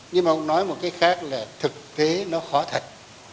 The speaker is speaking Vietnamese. nhưng mà cũng nói một cái khác là thực thế nó khó thật